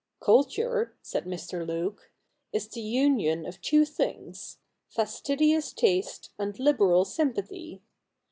'Culture,' said Mr. Luke, 'is the union of two things — fastidious taste and liberal sympathy.